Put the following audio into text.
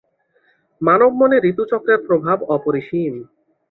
মানবমনে ঋতুচক্রের প্রভাব অপরিসীম।